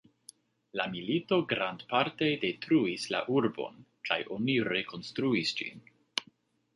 La milito grandparte detruis la urbon, kaj oni rekonstruis ĝin.